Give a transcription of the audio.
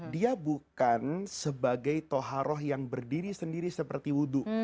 dia bukan sebagai toharoh yang berdiri sendiri seperti wudhu